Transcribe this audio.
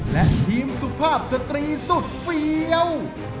และทีมสุภาพสตรีสุดเฟี้ยว